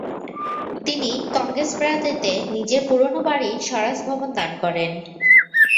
তিনি কংগ্রেস পার্টিতে নিজের পুরনো বাড়ি স্বরাজ ভবন দান করেন।